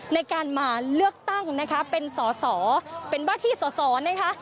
ในการมาเลือกตั้งนะคะเป็นสอสอเป็นว่าที่สอสอนะคะ